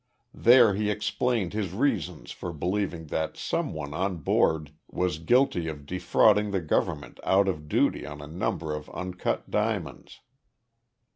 There he explained his reasons for believing that some one on board was guilty of defrauding the government out of duty on a number of uncut diamonds.